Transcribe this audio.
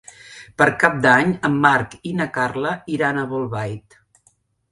Per Cap d'Any en Marc i na Carla iran a Bolbait.